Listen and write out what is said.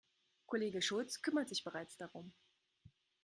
Kollege Schulz kümmert sich bereits darum.